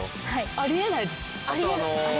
あり得ないです。